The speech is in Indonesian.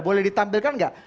boleh ditampilkan gak